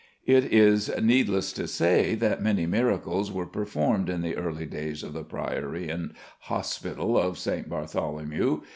It is needless to say that many miracles were performed in the early days of the Priory and Hospital of St. Bartholomew.